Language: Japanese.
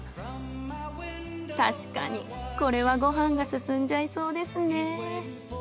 確かにこれはご飯がすすんじゃいそうですね。